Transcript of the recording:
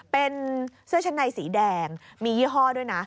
เป็นเสื้อชั้นในสีแดงมียี่ห้อด้วยนะ